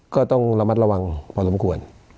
ก็ต้องระมัดระวังพอสมควร